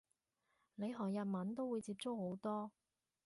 你學日文都會接觸好多